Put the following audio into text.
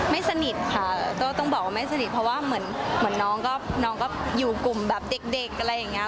สนิทค่ะก็ต้องบอกว่าไม่สนิทเพราะว่าเหมือนน้องก็อยู่กลุ่มแบบเด็กอะไรอย่างนี้